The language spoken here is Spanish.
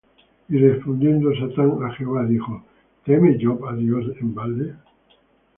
Y respondiendo Satán á Jehová, dijo: ¿Teme Job á Dios de balde?